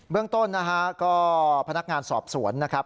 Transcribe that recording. เรื่องต้นนะฮะก็พนักงานสอบสวนนะครับ